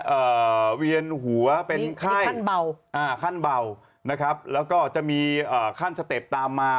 เอ่อเวียนหัวเป็นไข้ขั้นเบาอ่าขั้นเบานะครับแล้วก็จะมีอ่าขั้นสเต็ปตามมา